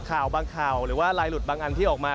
ข่าวบางข่าวหรือว่าลายหลุดบางอันที่ออกมา